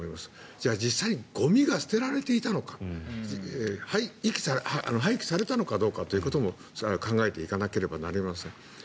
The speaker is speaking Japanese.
じゃあ実際にゴミが捨てられていたのかどうか廃棄されていたのかどうかということも考えていかなければなりません。